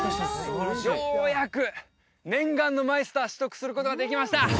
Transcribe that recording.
ようやく念願のマイスター取得することができました